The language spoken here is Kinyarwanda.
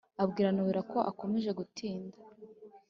abwira nowela ko akomeje gutinda